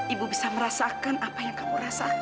ibu bisa merasakan apa yang kamu rasakan nak